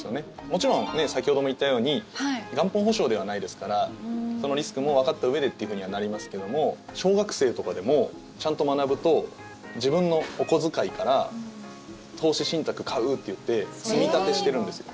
もちろん先ほども言ったように元本保証ではないですからそのリスクもわかったうえでというふうにはなりますけども小学生とかでもちゃんと学ぶと自分のお小遣いから投資信託買うって言って積み立てしてるんですよ。